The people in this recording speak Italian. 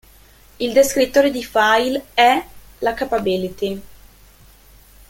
Il descrittore di file "è" la capability.